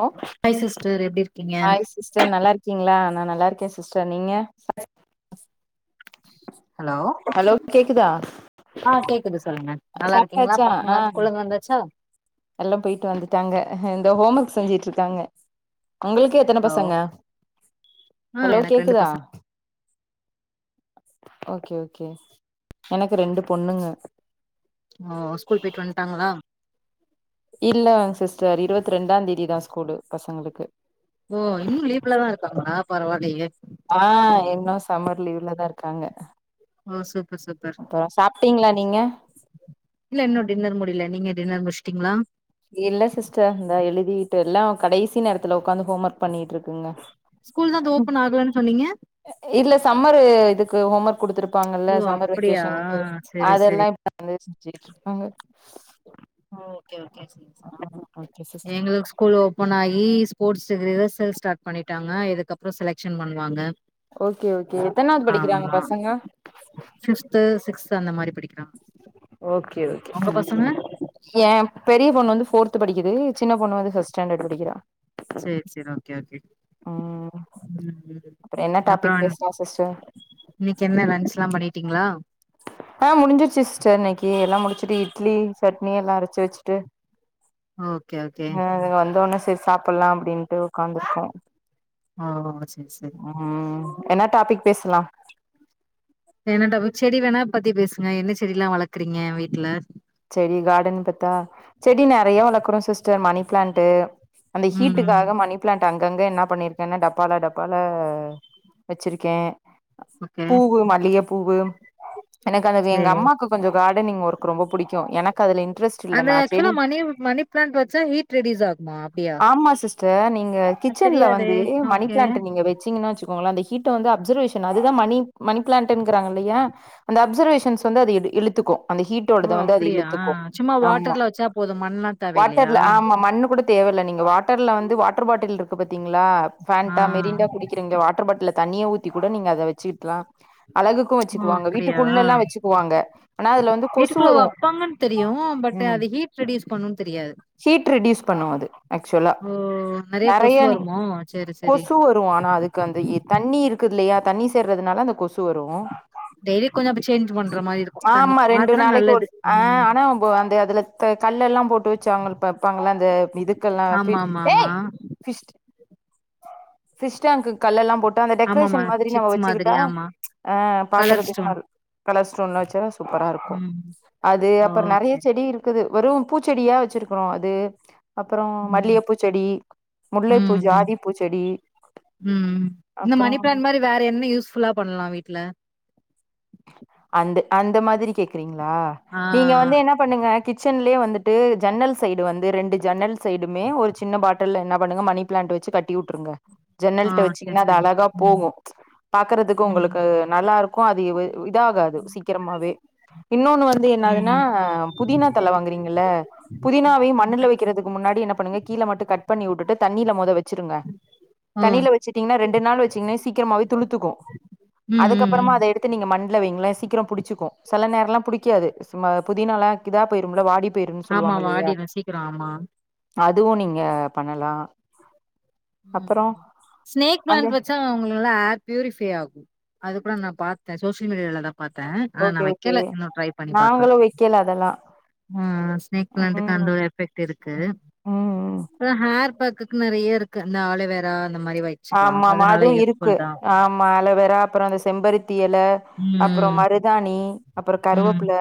Low hi sister எப்டி இருக்கீங்க hi sister நல்லா இருக்கீங்களா நா நல்லா இருக்கே சிஸ்டர் நீங்க ஹலோ ஹலோ கேக்குதா ஆ கேக்குது சொல்லுங்க நல்லா இருக்கீங்களா சாப்ட்டாச்சா பசங்களா ஸ்கூல்ல இருந்து வந்தாச்சா எல்லாம் பேயிட்டு வந்துட்டாங்க இந்த ஹோம் ஒர்க் செஞ்சுட்டு இருக்காங்க உங்ளுக்கு எத்தன ஓ பசங்க ஆ ஹலோ எனக்கு ரெண்டு கேக்குதா பசங்க ஓகே ஓகே எனக்கு ரெண்டு பொண்ணுங்க ஓ ஸ்கூல் பேய்ட்டு வந்டாங்களா இல்ல சிஸ்டர் இர்வத்தி ரெண்டா தேதிதா ஸ்கூலு பசங்களுக்கு ஓ இன்னு லீவ்லதாயிர்க்காங்ளா பர்வாயிலையே ஆ இன்னு சம்மர் லீவ்லதாயிர்க்காங்க ஓ சூப்பர் சூப்பர் அப்பறோ சாப்ட்டீங்ளா நீங்க இல்ல இன்னு டின்னர் முடில நீங்க டின்னர் முட்ச்சிட்டீங்ளா இல்ல சிஸ்டர் இந்த எழுதிட்டு எல்லா கடைசி நேரத்துல ஒக்காந்து ஹோமர்க் பண்ணிட்டு இருக்குங்க ஸ்கூல் தாதோ ஓப்பன் ஆகலன் சொன்னீங்க இல்ல சம்மரு இதுக்கு ஹோமர்க் குடுத்துருப்பாங்கல்ல ஓ சம்மர் அப்படியா வகேஷன்க்கு செரி அதெல்லா செரி [unintelligible] காங்க ஓ ஓகே ஓகே சிஸ் எங்ளுக் ஸ்கூல் ஒ போனகி ஸ்போட்ஸ் ரிஹசல் ஸ்டாட் பண்ணிட்டாங்க இதுக்கப்றோ செலக்ஷன் பண்ணுவாங்க ஓகே ஓகே எத்தனாவ்து படிக்கிறாங்க ஆமா பசங்க ஃபிப்து சிக்ஸ்து அந்த மாரி படிக் ஓகே ஓகே ம் பசங்க எ பெரி பொண்ணு வந்து ஃபோர்த் படிக்குது சின்ன பொண்ணு வந்து ஃபஸ்ட் ஸ்டாண்டர்ட் படிக்கிறா சேரி சேரி ஓகே ஓகே ம் அப்றோ என்ன டாபிக் அப்றம் பேசலா சிஸ்டர் இன்னைக்கு என்ன லன்ச்லாம் பண்ணிட்டீங்களா ஆ முடிஞ்சிடுச்சு சிஸ்ட இன்னைக்கு எல்லா முடிச்சுட்டு இட்லி சட்னி எல்லா அரைச்சு வச்சுட்டு ஓகே ஓகே ம் வந்த உடனே சரி சாப்பிடலா அப்படின்ட்டு உட்காந்துருக்கோ ஆ சரி சரி ம் என்ன டாபிக் பேசலா என்னட்ட செடி வேணா பத்தி பேசுங்க என்ன செடிலா வளக்றீங்க வீட்ல செடி கார்டன் பாத்தா செடி நிறைய வளக்றோ சிஸ்டர் மணி பிளான்ட் அந்த ம் ஹீட்டுக்காக மணி பிளாண்ட் அங்கங்க என்ன பண்ணியிருக்கேன்னா டப்பால டப்பால வச்சிருக்கே ஓகே பூவு மல்லிக பூவு எனக்கதுக்கு சேரி எங்கம்மாக்கு கொஞ்ச காடனிங் ஓர்க் ரொம்ப புடிக்கு எனக்கதுல இன்ட்ரஸ் அந்த அக்சுவ்லா மணி மணி ப்ளான்ட் வச்சா ஹீட் ரெட்யுஸ் ஆகுமா அப்டியா ச நீங்க எனக்கு கிச்சன்ல தெரியாதே வந்து மணி ஓகே பிளான்ட் நீங்க வெச்சீங்கன்னா வெச்சு ஒங்ள அந்த ஹீ்ட்ட வந்து அப்சர்வேஷன் ஆகுது மணி மணி பிளான்ட்ங்கிறாங்க இல்லையா அந்த அப்சர்வேஷன்ஸ் வந்து அதஅத் இழுத்துக்கோ அந்த ஹீட் ஓ த வந்து அது அப்டியா இழுத்துக்கு சும்மா ஆமா வாட்டர்ல வச்சா போது மண்லா தேவயில்லையா வாட்டர்ல ஆமா மண்ணு கூட தேவல்ல நீங்க வாட்டர்ல வந்து வாட்டர் பாட்டில் இருக்கு பாத்தீங்ளா ஆ ஃபன்ட்டா மிரிண்டா குடித்து கிருங்க வாட்டர் பாட்டில் தண்ணிய ஊத்தி கூட நீங்க அத வெச்சுட்லா அழகு கு ஓ வச்சுக்குவாங்க அப்டியா வீட்டுக்குள்ளலா வச்சுக்குவாங்க ஆனா அதுல வந்து கொஸ் க்ளோ வப்பாங்கன் தெரியு பட் அது ஹீட் ரெடியூஸ் பண்ணுன் தெரியாது ஹீட் ரெடியூஸ் பண்ணு அது ஆக்சுவ்லா ஓ நெறைய நறைய கொசு னி வருமோ சேரி சேரி கொசு து ஆனா அதுக்கு அந்த எ தண்ணி இருக்தில்யா தண்ணி சேர்றதுனால அந்த கொசு வரு டெய்லி கொஞ்சப்ப சேஞ்ச் பண்ற மாரியிர்க்கோ தண்ணி மாத்னா நல் போஸ் ஆ ஆனா போ அந்த அதுல கல்லெல்லா போட்டு வச்சாங்ள பப்பாங்ள அந்த இதுக் கல்லாப்பி ஆமா ஆமா ஆமா ஏய் ஃபிஷ்ட் ஃபிஷ்ட்டாங்க்கு கல்லெல்லா போட்டு அந்த ஆமாமா டெக்ரேஷன் மாதிரி நம்ம சிப்ஸ் மாதிரி வெச்சுக்கிட்டா ஆமா அ கலர் பாக்குறதுக்கோ ஸ்டோன் நல் கலர்ஸ்ட்டோன் லா வெச்சா சூப்பராயிர்க்கும் ம் அது அப்றோ நறைய ஓகே செடியிர்க் க்குது வெறு பூச்செடியா வச்சிருக்றோ அது அப்றோ ம் மல்லிகப்பூச்செடி முல்லைப்பூ ம் ஜாதிப்பூச்செடி ம் ம் இந்த அப்றோ மணி பிளான்ட் மாரி வேற என்ன யூஸ்ஃபுல்லா பண்லா வீட்ல அந்து அந்த மாதிரி கேக்குறீங்ளா ஆ நீங்க வந்து என்னப் பண்ணுங்க கிச்சன்லயே வந்துட்டு ஜன்னல் சைடு வந்து ரெண்டு ஜன்னல் சைடுமே ஒரு சின்ன பாட்டல்ல என்ன பண்ணுங்க மணிப் பிளாண்ட் வச்சி கட்டிவுட்ருங்க ஆ ஜன்னல்ட்ட சேரி வெச்சிங்ன்னா அது சேரி அழகா ம் போவு பாக்றதுக்கோ உங்களுக்கு ம் நல்லாயிர்க்கோ அது இ இதா ஆகாது சீக்ரமாவே இன்னொன்னு வந்து ம் என்னாதுன்னா ம் புதினா தள வாங்குறீங்கல்ல புதினாவையு மண்ணுல வெக்கிறதுக்கு முன்னாடி என்ன பண்ணுங்க கீழ மட்டு கட் பண்ணி விட்டுட்டு தண்ணியில மொத வச்சிருங்க தண்ணியில வச்சுட்டீங்கன்னா ரெண்டு நாள் வச்சீங்கனா சீக்கிரமாவே துளுத்துக்கு ம் ம் அதுக்கப்பறமா ம் அத எடுத்து நீங்க மண் ல வெய்ங்கலே சீக்கிரோ புடிச்சுக்கு செல நேரலா புடிக்காது புதினலா கிதா போய்ரும்ல வாடி பேருன்னு ஆமா சொல்லுவாங்க இல்லையா வாடிரு சீக்கிரோ ஆமா அதுவு நீங்க பண்ணலா ம் அப்புறோ ஸ்னேக் அந்த ப்ளாண்ட் பத் ச அவங்களுட ஏர் பியூரிஃபை ஆகு அது கூட நா பாத்த சோசியல் மீடியாவல தா பாத்த ஆனா நா ஓகே ஓகே வெக்கல இன்னு ட்ரை பண்ணி பாக்குற நாங்களு வைக்கல அதெல்லா ம் ஸ்னேக் பிளான்ட்க்கு ம் அந்த ஒரு எஃபெக்ட் இருக்கு ம் இப்ப தான் ஹேர் பேக்குக்கு நெறைய இருக்கு இந்த ஆலிவ்வேரா அந்த மாரி வை ஆமாம்மா அதுவு இருக்கு அ மா ஆலுவேரா அப்பறோ அந்த செம்பருத்தி இல அப்றோ ம் மருதாணி அப்றோ கருவப்புல ம்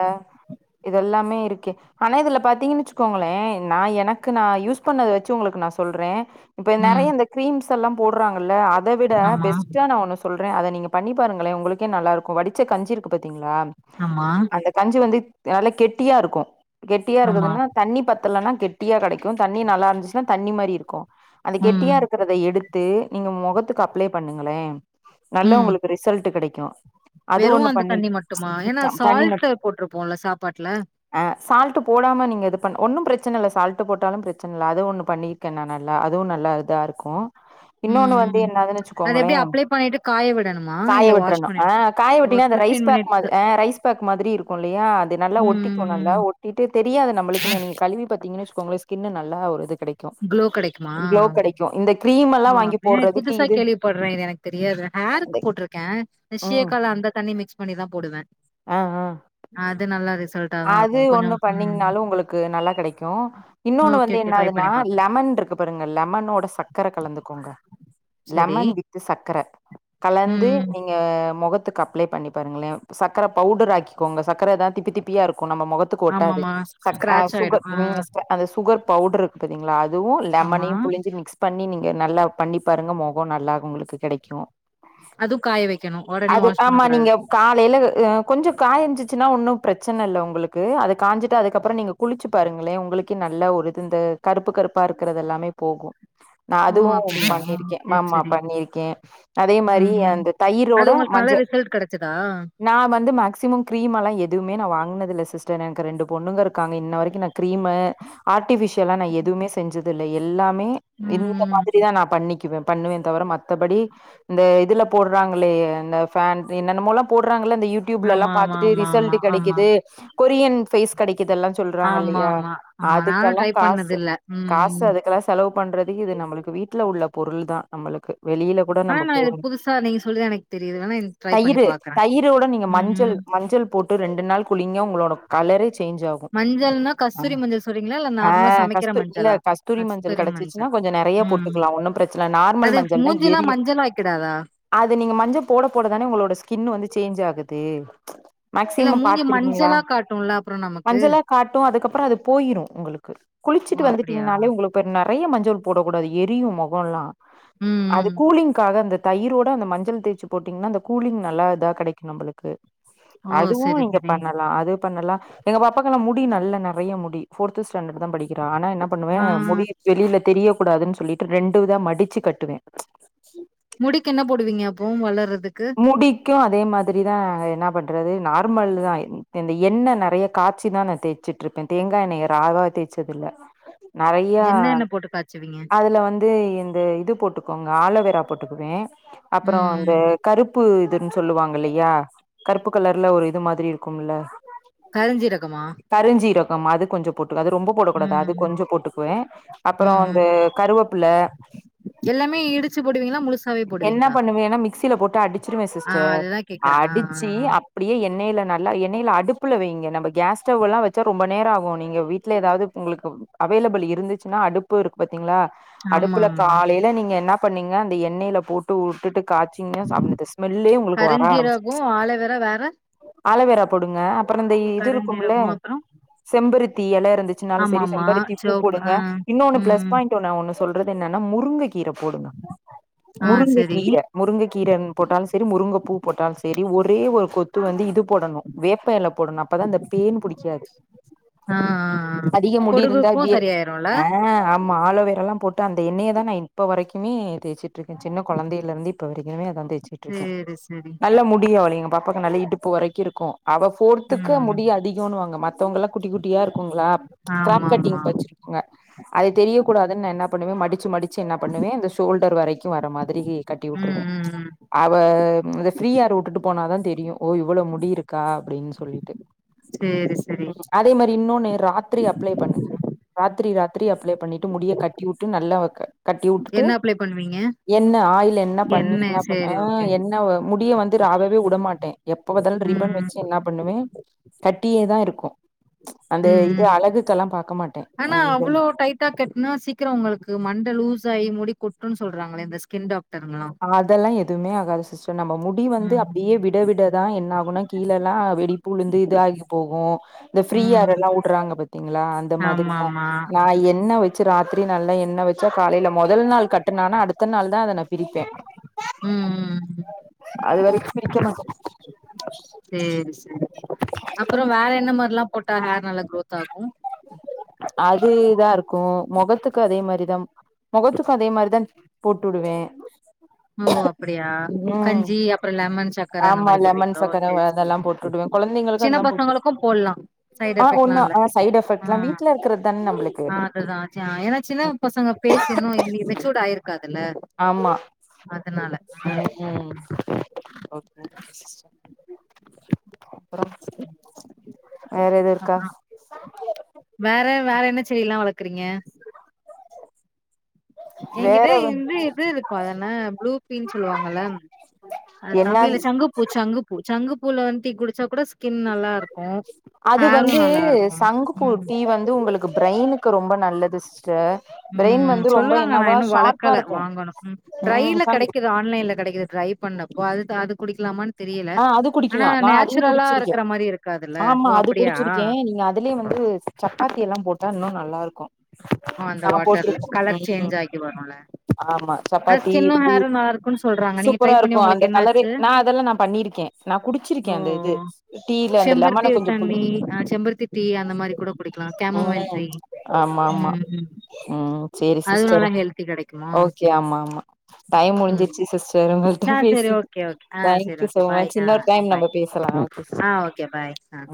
இதெல்லாமே இருக்கே ஆனா இதுல பாத்தீங்கன் வெச்சுக்கோங்ளே நா எனக்கு நா யூஸ் பண்ணத வெச்சு உங்களுக்கு நா சொல்றே இப்ப ம் நறைய இந்த கிரீம்ஸ் எல்லா போட்றாங்கல்ல அத விட ஆமா பெஸ்ட்டா நா ஒன்னு சொல்ற அத நீங்க பண்ணி பாருங்களே உங்களுக்கே நல்லாயிர்க்கோ வடிச்ச கஞ்சியிர்க்கு பாத்தீங்ளா ஆமா இந்த கஞ்சி வந்து நல்லா கெட்டியா இருக்கு கெட்டியா ஆமா இருக்குதுன்னா தண்ணி பத்தலன்னா கெட்டியா கெடைக்கு தண்ணி நல்லா இருந்துச்சுன்னா தண்ணி மாரி இருக்கு அந்த ம் கெட்டியா இருக்கறத எடுத் து நீங்க மொகத்துக்கு அப்ளை பண்ணுங்களே நல்ல உங்களுக்கு ரிசல்ட் கெடைக்கு அது வெறு ஒண்ணு அந்த பண்ணி தண்ணி மட்டுமா ஏனா சால்ட் போட்டுருப்போம்ல சாப்பாட்டுல அ சால்ட் போடாம நீங்க இது பண்ண ஒன்னு பிரச்சன இல்ல சால்ட் போட்டாலு பிரச்சன இல்ல அது ஒண்ணு பண்ணி கங்க நல்லா அதுவு நல்லா இதா இருக்கு இன்னொன்னு வந்து ம் என்னதுன்னு அது வச்சுக்கோங்களே எப்டி அப்ளை பண்ணிட்டு காய விடணுமா காய இல்ல வாஷ் விட்றணு பண்ணி ஆ காய ஒரு விட்டிங்கனா அந்த ரைஸ் ஃபிப்டீன் பேக் மா மினிட்ஸ் அ ரைஸ் பேக் மாதிரி இருக்கு இல்லையா அது நல்லா ஒட்டிக்கு நல்லா ம் ஒ ட்டிட்டு தெரியாது நம்ளுக்கு நீங்க கிழுவி பாத்தீங்கன்னா வச்சுக்கோங்களே ஸ்கின்னு நல்லா ஒரு இது கெடை க்கு க்ளோ கெடைக்குமா க்ளோ கெடைக்கு இந்த கிரீம் ஓ எல்லாம் வாங்கி அப்ப போடுறதுக்கு புதுசா இது கேள்விப்படுற இது எனக்கு தெரியாது அந்த ஹேருக்கு போட்ருக்க அந்த ம் சீயக்கலா அந்த தண்ணி மிக்ஸ் பண்ணிதா போடுவ ஆ ஆ அது நல்லா ரிசல்ட் அது ஒண்ணு பண்ணீங்கனாலு உங்களுக்கு நல்லா கெடைக்கு இன்னொன்னு ஓகே வந்து ஓகே ட்ரை என்னாதுன்னா பண்ணி பாக்குறே லெமன்ருக்கு பாருங்க லெமனோட சக்கர கலந்துக்கோங்க செரி லெமன் வித்து சக்கர கலந்து ம் நீங் க மொகத்துக்கு அப்ளை பண்ணி பாருங்களே சக்கர பவுடர் ஆக்கிகோங்க சக்கர தா திப்பி திப் பியா இருக்கு நம்ம மொகத்துக்கு ஒட்டாது ஆமாமா சக் ஆ ஸ்க்ராட்ச் சுக ஆயிடு ஆ ம் ச அந்த சுகர் பவுடர் இருக்கு பாத்தீங்களா அதுவு ஆமா லெமனையு புழிஞ்சி மிக்ஸ் பண்ணி நீங்க நல்லா பண்ணி பாருங்க மொகோ நல்லாகு உங்களுக்கு கெடைக்கு அதுவு காய வைக்கணு ஒடனே அது வாஷ் ஆமா பண்ணக்கூடாது நீங்க காலையில அ கொஞ்சோ காயஞ்சிச்சுன்னா ஒன்னு ப்ரச்சன இல்ல உங்களுக்கு அத காஞ்சிட்டா அதுக்கப்பறோ நீங்க குளிச்சு பாருங்களே உங்களுக்கே நல்ல ஒரு இது இந்த கருப்பு கருப்பா இருக்கறது எல்லாமே போகு நா ஓ அதுவு அப்டியா பண்ணிருக்கே செரி ஆமா செரி பண்ணிருக்கே அதே மாரி ம் அந்த தயிரோ அது உங்களுக்கு நல்ல ரிசல்ட் கெடச்சதா நா வந்து மேக்சிமம் க்ரீம் எல்லா எதுவுமே நா வாங்குனதுல்ல சிஸ்டர் எனக்கு ரெண்டு பொண்ணுங்க இருக்காங்க இன்ன வரைக்கு நா கிரீமு ஆர்ட்டிஃபிஷியலா நா எதுவுமே செஞ்சது இல்ல எல்லாமே இந்த ம் மாதிரிதா நா பண்ணிக்குவே பண்ணுவே தவிர மத்தபடி இந்த இதுல போட்றாங்களே இந்த ஃபேன் என்னென்னமோலா போடுறாங்களே இந்த யூடியூப்ல எல்லா ஆமா ஆமா பாத்துட்டு ஆமா ரிசல்ட் ஆமா ஆமா கெடைக்குது கொரியன் ஃபேஸ் கெடைக்குதுல்லா சொல்றாங்க ஆமா இல்லையா ஆமா ஆமா நானு அதுக்கெல்லா ட்ரை பண்ணது காசு இல்ல ம் காசு அதுக்கெல்லா செலவு பண்றது இது நம்மளுக்கு வீட்ல உள்ள பொருள் தா நம்மளுக்கு வெளியில கூட ஆனா நம்ம நா போக இது புதுசா நீங்க சொல்லிதா எனக்கு தெரியுது இல்லனா எனக் தயிரு தயிரோட நீங்க மஞ்சள் மஞ்சள் போட்டு ரெண்டு நாள் குளிங்க உங்களோட கலரே சேஞ்ச் ஆகு மஞ்சள்னா கஸ்தூரி மஞ்சள் சொல்றீங்களா? இல்ல ஆ நார்மலா சமைக்கிற கஸ்து இல்ல மஞ்சளா? கஸ்தூரி மஞ்சள் கெடச்சிச்சு இன்னு கொஞ்ச நெறைய ம். போட்டுக்லா ஒன்னு பிரச்ன நார்மல் அது மஞ்சள் தா மூஞ்சிலாம் எரியு மஞ்சள் ஆக்கிடாதா? அது நீங்க மஞ்ச போட போடதானே உங்களோட ஸ்கின் வந்து சேஞ்ச் ஆகுது இல்ல மேக்சிமம் மூஞ்சி பாத்திருக்கீங்களா மஞ்சளா காட்டும்ல அப்புறம் நமக்கு. மஞ்சலா காட்டு அதுக்கப்புறோ அது போயிரு உங்களுக்கு ஓ! குளிச்சுட்டு அப்படியா? வந்துட்டீங்னாலே உங்களுக் இப்ப நெறைய மஞ்சள் போடக்கூடாது எரியு மொகொல்லா ம், அது ம். கூலிங்க்காக அந்த தயிரோட அந்த மஞ்சள் தேய்ச்சு போட்டீங்னா அந்த கூலிங் நல்லா இதா கெடைக்கு நம்பளுக்கு ஓ! அதுவு சரி, இங்க சரி. பண்ண லா அது பண்ணலா எங்க பாப்பாக்கல்லா முடி நல்ல நெறைய முடி ஃபோர்த்து ஸ்டாண்டர்ட் தா படிக்கிறா ஆனா என் ன பண்ணுவே ஆ. முடி வெளில தெரிய கூடாதுன் சொல்லிட்டு ரெண்டு இதா மடிச்சு கட்டுவே முடிக்கென்ன போடுவீங்க அப்போம் வளர்றதுக்கு முடிக்கு அதே மாதிரி தா என்ன பண்றது நார்மல் தா இந்த எண்ணெ நெறைய காச்சி தா நா தேய் ச்சுட்ருக்கே தேங்கா எண்ணெய்ய ராவ தேச்சது இல்ல நெறைய என்னென்ன போட்டு காய்ச்சுவீங்க? அதுல வந் து இந்த இது போட்டுக்கோங்க ஆலோவேரா போட்டுக்குவே அப்றோ ம், இந்த ம். கருப்பு இதுன்னு சொல்லுவாங்க இல்லையா கருப்பு கலர்ல ஒரு இது மாதிரி இருக்கும்ல கருஞ்சீரகமா கருஞ்சீரகம் அது கொஞ்சோ போட்டுக்கோ அது ரொம்போ ம், போடக்கூடாது அது ம். கொஞ்சொ போட்டுக்குவே அப்பறோ ம், ம். இந்த கருவேப்புல்ல எல்லாமே இடிச்சு போடுவீங்களா முழுசாவே போடுவீ என்ன பண்ணுவேன்னா மிக்சில போட்டு அடிச்சிருவே ஆ சிஸ்டர் அதுதான் கேக்குறேன். ஆ, ஆ, அடிச்சு ஆ. அப் அப்டியே எண்ணெய்ல நல்லா எண்ணெய்ல அடுப்புல வைங்க நம்ப கேஸ் ஸ்டவ்வெல்லா வெச்சா ரொம்ப நேரோ ஆகு நீங்க வீட்ல ஏதாவ்து உங்ளுக்கு அவைலபிள் இருந்துச்னா அடுப்பு இருக்கு பாத்தீங்களா அடுப்புல ஆமாமா. காலைல நீங்க என்ன பண்ணீங்க அந்த எண்ணெய்ல போட்டு வுட்டுட்டு காச்சி தின்கனா ஸம் இதுஸ் ஸ்மெல்லே உங்ளுக்கு வர ஆரம்பிச்சு கருஞ்சீரகோ ஆலோவேரா வேற ம ஆலோவேரா போடுங்க அப் புறந்த இது இருக்கும்முல்லா கருஞ்சீரகோ அப்றோ செம்பருத்தி எல இருந்து ச்னால ஆமா சரி ஆமா செம்பருத்தி பூ சிவப்பு போடுங்க ஆ இன்னொன்னு ப்ளஸ் ம் பாயிண்ட் ட்டோ நா ஒண்ணு சொல்றதென்னனா முருங்க கீர போடுங்க ஆ முருங்க செரி கீர முருங்க கீர போட்டாலு செரி முருங்கப்பூ போட்டாலு செரி ஒரே ஒரு கொத்து வந்து இது போடணு வேப்பஎல போடணு அப்பதா இந்த பேன் புடிக்காது ஆ ஆ ஆ அதிக முடி பொடுகுக்கு இருந்தாவே சரியாயிருல்ல ம் ஆலோவேரல்லா போட்டு அந்த எண்ணெய தா நா இப்ப வரைக்குமே தேய்சிட்ருக்கே சின்ன கொழந்தய்ல இருந்து இப் இப்ப வரிக்குமே அதா தேய்ச்சுட்ருக்கே சேரி சேரி நல்ல முடி அவளுக் எங்க பாப்பாக்கு நல்ல இடுப்பு வரைக்கு இருக்கு அவ ஃபோர்த்துக்கு ம் முடி அதிகோன்னுவாங்க மத்தவங்கல்லா குட்டி குட்டியா இருக்குங்ளா க்ராப் ஆமா கட்டிங் ஆமா வச்சி ங்க அது தெரிய கூடாதுன் நா என்ன பண்ணுவ மடிச்சு மடிச்சு என்ன பண்ணுவ இந்த ஷோல்டர் வரைக்கு வர மாதிரி கட்டி ம் விட்டுருவே ம் ம் அவ இந்த ஃப்ரீயார் உட்டுட்டு போனாதா தெரியு ஓ இவ்ளோ முடி இருக்கா அப்டின் சொல்லிட்டு சேரி செரி ம் அதே மாரி இன்னொன்னு ராத்ரி அப்ளே பண்ணுங்க ராத்திரி ராத்திரி அப்ளே பண்ணிட்டு முடிய கட்டிவுட்டு நல்லா வக்க கட்டிவுட்டுட்டு என்ன அப்ளை பண்ணுவீங்க என்ன ஆயில் என்ன எண்ணெ பண்ணீங்க அப்புனா சேரி ஓகே என்ன என்னா முடிய வந்து ராவவே உடவே மாட்ட எப்ப பத்தாலு ம் ரிப்பன் ம் வச்சு என்னா பண்ணுவே கட்டியேதா இருக்கு அந்த ம் இது ம் அழகுக்கெல்லா பாக்க மாட்டே ஆ இத ட்டா கெட்னா சீக்கிரோ உங்கள்க்கு மண்ட லூஸ் ஆயி முடி கொட்டுன் சொல்றாங்ளே அந்த ஸ்கின் டாக்டர்ங்ளா அதெல்லா எதுமே ஆகாது சிஸ்டர் நம்ப முட் முடி வந்து ம் அப்டியே விட விட தா என்னாகுனா கீழ எல்லா வெடிப்புலுந்து இது ஆகி போகு இந்த ஃப்ரீ ம் ஹேரெல்லா உடுறாங்க பாத்தீங்களா அந்த ஆமா மாதிரிலா ஆமா நா எண்ணெ வச் ச்சு ராத்திரி நல்லா எண்ணெ வச்சா காலைல முதல் நாள் கட்டனானா அடுத்த நாள் தா அத நா பிரிப்ப ம் ம் ம் அதுவரைக்கு பிரிக்க மாட்ட சேரி செரி அப்பற வேற என்ன மாரில்லா போட்டா ஹேர் நல்லா க்ரோத் ஆகு அது இதா இருக்கு முகத்துக்கு அதே மாரிதா முகத்துக்கு அதே மாரிதா போட்டு உடுவே ஓ அப்படியா கஞ்சி அப்பற லெமன் சக்கர அந்த ஆமா மாரி லெமன் போடுவீங்களோ சக்கர செரி செரி அதெல்லா போட்டுடுவே கொழந்தைங்களுக்கு சின்ன அதெல்லா போட்டு பசங்களுக்கு போட்லா சைட் ஆ எஃபெக்ட்லா ஒன்னு இல்ல ஆ சைட் எஃபெக்ட்லா ஆமா வீட்ல இருக்கறது தான நம்மளுக்கு மா அதுதா ஏனா சின்ன பசங்க ஃபேஸ் இன்னு மெச்சூர்ட் ஆயிருக்காதுல்ல ஆமா ம் ம் ஓகே அப்பற வேற எதுவு இருக்கா அப்புறோ வேற வேற என்ன செடில்லா வளக்குறீங்க என்கிட்ட வேற வந் இந்வி இது இருக்கு அதென்ன ப்ளூ ஃபீ சொல்லுவாங்கல்ல அது என்ன தமிழ்ல சங்குப்பூ சங்குப்பூ சங்கு பூல வந்து டீ குடுச்சா கூட ஸ்கின் நல்லாருக்கு ஹேரூ நல்லாருக்கு ம் இ வந்து உங்களுக் கு ப்ரெய்னுக்கு ரொம்ப நல்லது சிஸ்டர் பிரெயின் ம் வந்து ரொம்ப சொல்லுவாங்க நா என்னவா இன்னு ஷார்ப்பா வளக்கல இருக்கு வாங்கணு ம் ம் ட்ரைல சங்கு கெடைக்குது ஆன்லைன்ல கெடைக்குது ட்ரை பண்ணப் போ அதுக் அது குடிக்கலாமான்னு தெரியல ஆ அது ஆனா குடிக்கலா நா அதையு நேச்சுரலா குடிச்சிருக்கே இருக்குற மாரி இருக்காதுல்ல ஆமா ஓ அது அப்படியா குடிச்சிருக்கே நீங்க அதுலயே வந்து சப்பாத்தியல்லா போட்டா இன்னு நல்லாருக்கு ஓ அந்த வாட்டர்ல கலர் சேஞ்ச் ஆகி வருல ஆமா அது சப்பாத்தி ஸ்கின்னு ஹேரு பூரி நல்லா இருக்குன் சொல்றாங்க நீங்க ட் ரை சூப்பரா பண்ணி இருக்கு அந்த உங்களுக்கு கலரே என்னாச்சு நா அதெல்லா நா பண்ணிருக்கே நா குடிச்சிருக்கே ஓ அந்த இது ஓ டீல அந்த லெமன செம்பருத்தி கொஞ்சோ புளி தண்ணி ஆ செம்பருத்தி டீ அந்த மாரி கூட குடிக்கலா கேமமல் ம் ட்ரீ ஆமா ஆமா ம் சேரி அதுவும் சிஸ்டர் நல்லா ஹெல்த்தி கெடைக்குமா? ஓகே ஆமா ஆமா டைம் ம். முடுஞ்சுருச்சு சிஸ்டர் உங்கள்ட ஆ சரி. பேசி ஓகே, ஓகே. ஆ சரி. Thank you okay. So bye. Much ஆ, இன்னொரு ஆ டைம் பாய். நம்ப பேசலா சிஸ்டர் ஆ ஓகே பாய் ஆ ம்